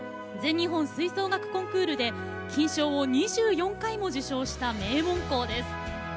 全日本吹奏楽コンクールで金賞を２４回も受賞した名門校です。